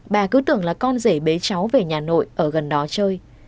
bà cứ tưởng là con rể bé cháu về nhà nội ở gần đó chơi